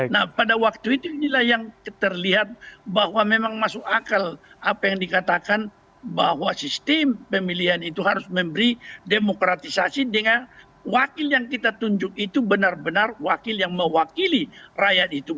nah pada waktu itu inilah yang terlihat bahwa memang masuk akal apa yang dikatakan bahwa sistem pemilihan itu harus memberi demokratisasi dengan wakil yang kita tunjuk itu benar benar wakil yang mewakili rakyat itu